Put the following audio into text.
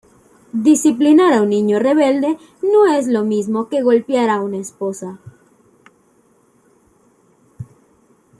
Disciplinar a un niño rebelde no es lo mismo que golpear a una esposa.